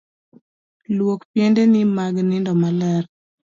Luok piendeni mag nindo maler.